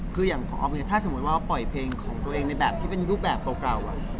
คืออย่างของอ๊อฟเนี่ยถ้าสมมุติว่าปล่อยเพลงของตัวเองในแบบที่เป็นรูปแบบเก่า